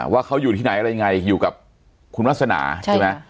ว่าเขาอยู่ที่ไหนอะไรยังไงอยู่กับคุณวาสนาใช่ไหม